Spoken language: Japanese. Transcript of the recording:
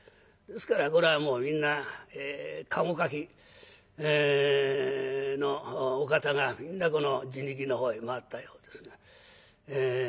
ですからこれはもうみんな駕籠かきのお方がみんなこの人力の方へ回ったようですが。